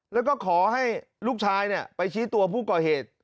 แล้วก็ขอให้ลูกชายไปชี้ตัวผู้ก่อเหตุ